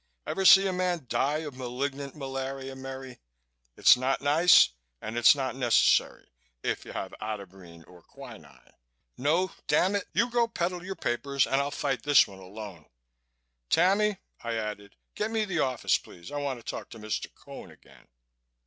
Ever see a man die of malignant malaria, Merry? It's not nice and it's not necessary, if you have atabrine or quinine. No, damn it, you go peddle your papers and I'll fight this out alone. Tammy," I added. "Get me the office, please. I want to talk to Mr. Cone again."